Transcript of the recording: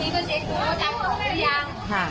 มันเห็นตรงนี้ก็เช็คดูว่าตังค์ออกหรือยัง